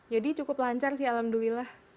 jadi cukup lancar sih alhamdulillah